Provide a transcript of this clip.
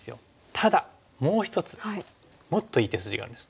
ただもう一つもっといい手筋があるんです。